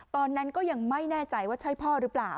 ตอนนั้นก็ยังไม่แน่ใจว่าใช่พ่อหรือเปล่า